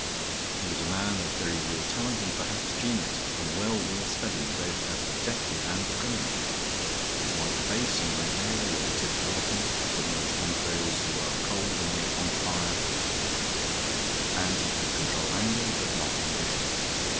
He was a man of very real talent, and perhaps genius, and well worth studying, both as a detective and a criminal. His white face and red hair were typical of him, for he was one of those who are cold and yet on fire for fame; and he could control anger, but not ambition.